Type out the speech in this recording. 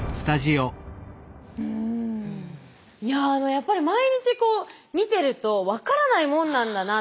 やっぱり毎日こう見てると分からないもんなんだなと思って。